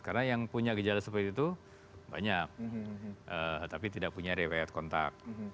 karena yang punya gejala seperti itu banyak tapi tidak punya rewet kontak